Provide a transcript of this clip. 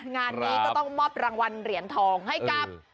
งานนี้ก็ต้องมอบรางวัลเหรียญทองให้กับ